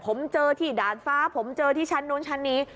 ผมเจอที่ดาดฟ้าผมเจอที่ชั้นนู้นชั้นนี้